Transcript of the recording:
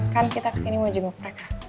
kan kita kesini mau jenguk mereka